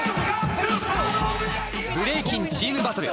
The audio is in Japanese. ブレイキンチームバトル。